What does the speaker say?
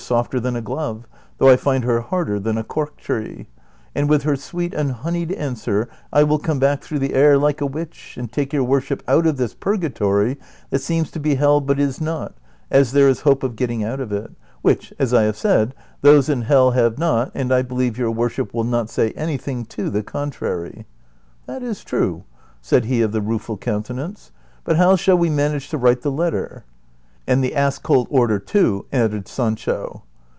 197 hei softer than a glove thongli I find her hariler than a coi'k tree ; and with her sweet and honeyed answer I will ccnne back through the air like a witch, and take your worship out of this l)urgatory that seems to be hell but is not, as there is hope of getting out of it ; which, as I have said, those in hell have not, and I believe your worship will not say anything to the contrary." " That is true," said he of the Rueful Countenance, " but how shall v.e manage to write the letter ?"" And the ass colt order too," added Sancho.